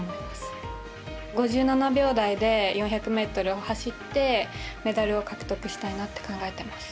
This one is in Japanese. ５７秒台で４００ｍを走ってメダルを獲得したいなって考えてます。